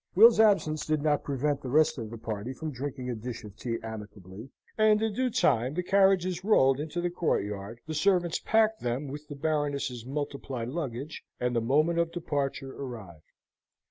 Will's absence did not prevent the rest of the party from drinking a dish of tea amicably, and in due time the carriages rolled into the courtyard, the servants packed them with the Baroness's multiplied luggage, and the moment of departure arrived.